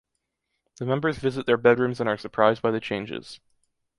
The members visit their bedrooms and are surprised by the changes.